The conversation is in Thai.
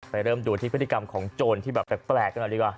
เริ่มดูที่พฤติกรรมของโจรที่แบบแปลกกันหน่อยดีกว่า